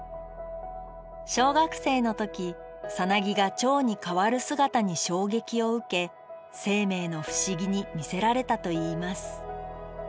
小学生の時サナギがチョウに変わる姿に衝撃を受け生命の不思議に魅せられたといいます。